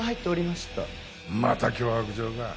また脅迫状か。